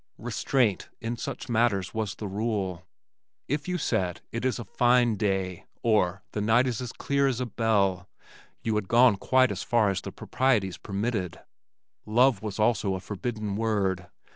Restraint in such matters was the rule. If you said, "It is a fine day," or "The night is as clear as a bell," you had gone quite as far as the proprieties permitted. Love was also a forbidden word.